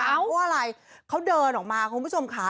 เพราะว่าอะไรเขาเดินออกมาคุณผู้ชมค่ะ